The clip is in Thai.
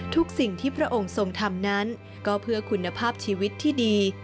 สิ่งที่พระองค์ทรงทำนั้นก็เพื่อคุณภาพชีวิตที่ดี